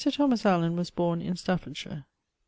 Thomas Allen[B] was borne in Staffordshire.